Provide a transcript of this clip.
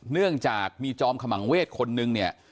เนื่องจากมีจอมขมังเวศคนนึงเนี่ย